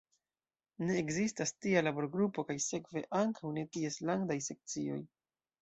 Ne ekzistas tia laborgrupo kaj sekve ankaŭ ne ties landaj sekcioj.